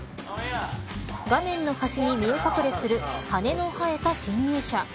画面の端に見え隠れする羽の生えた侵入者。